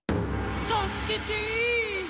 たすけて！